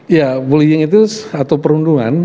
ya bullying itu atau perundungan